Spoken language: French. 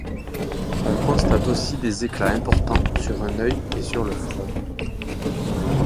On constate aussi des éclats importants sur un œil et sur le front.